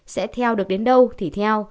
sẽ theo được đến đâu thì theo